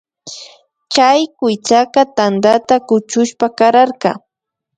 Chay kuytsa tandata kuchushpa kararka